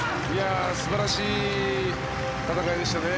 素晴らしい戦いでしたね。